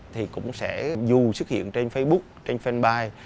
thì cũng sẽ dù xuất hiện trên facebook trên fanpage